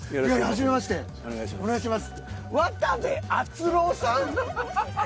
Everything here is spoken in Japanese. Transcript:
はじめましてお願いします